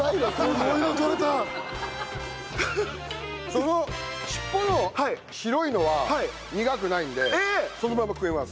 その尻尾の白いのは苦くないのでそのまま食えます。